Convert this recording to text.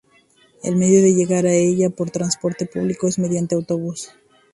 El medio de llegar a ella por transporte público es mediante autobús.